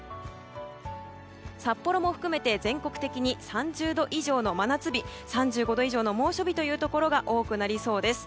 札幌も含めて全国的に３０度以上の真夏日や３５度以上の猛暑日というところ多くなりそうです。